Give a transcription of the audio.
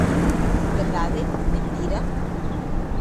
Verdade, mentira?